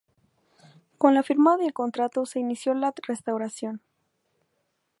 Con la firma del contrato se inició la restauración.